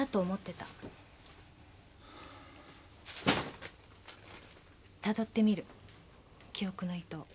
たどってみる記憶の糸を。